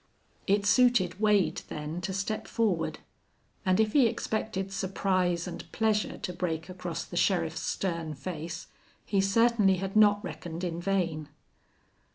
It suited Wade, then, to step forward; and if he expected surprise and pleasure to break across the sheriff's stern face he certainly had not reckoned in vain.